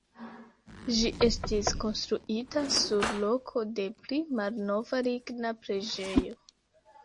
Ĝi estis konstruita sur loko de pli malnova ligna preĝejo.